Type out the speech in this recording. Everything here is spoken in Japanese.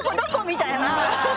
みたいな。